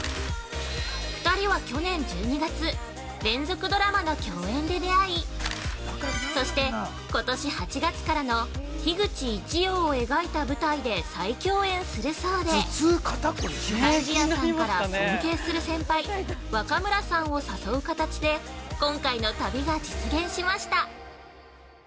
２人は去年１２月、連続ドラマの共演で出会いそして、今年８月からの樋口一葉を描いた舞台で再共演するそうで貫地谷さんから尊敬する先輩若村さんを誘う形で今回の旅が実現しました。